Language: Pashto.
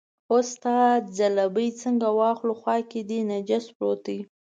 اوس ستا ځلوبۍ څنګه واخلو، خوا کې دې نجس پروت دی.